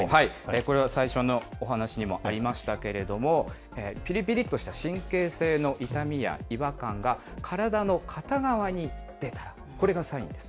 これは最初のお話にもありましたけれども、ぴりぴりとした神経性の痛みや違和感が体の片側に出たら、これがサインです。